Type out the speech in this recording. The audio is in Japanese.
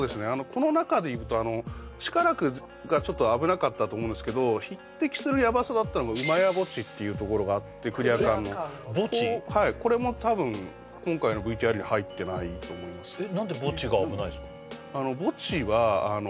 この中でいうとシカラクがちょっと危なかったと思うんですけど匹敵するヤバさだったのがウマヤ墓地っていうところがあってクリアカンのこれも多分今回のＶＴＲに入ってないと思いますねえ